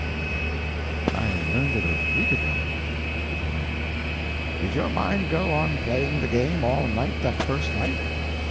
Y.M. I learned it a week ago. O.M. Did your mind go on playing the game all night that first night?